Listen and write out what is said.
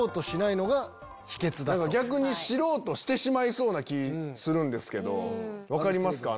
逆に知ろうとしてしまいそうな気するんですけど分かりますか？